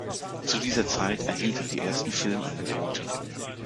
Zu dieser Zeit erhielt er die ersten Filmangebote.